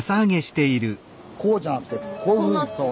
こうじゃなくてこういうふうになってる。